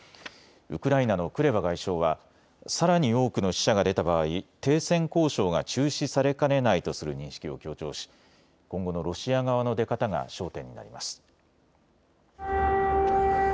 ウクライナのクレバ外相はさらに多くの死者が出た場合、停戦交渉が中止されかねないとする認識を強調し今後のロシア側の出方が焦点になります。